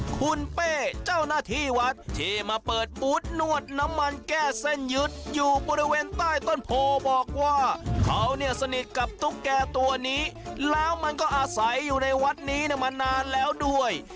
คุณเป้เจ้าหน้าที่วัดที่มาเปิดบูธนวดน้ำมันแก้เส้นยึดอยู่บริเวณใต้ต้นโพบอกว่าเขาเนี่ยสนิทกับตุ๊กแก่ตัวนี้แล้วมันก็อาศัยอยู่ในวัดนี้มานานแล้วด้วย